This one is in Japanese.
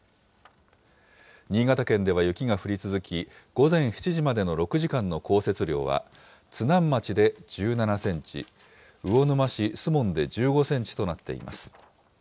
新潟県では雪が降り続き、午前７時までの６時間の降雪量は津南町で１７センチ、魚沼市守門で１５センチとなっています。